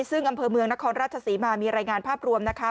ซึ่งอำเภอเมืองนครราชศรีมามีรายงานภาพรวมนะคะ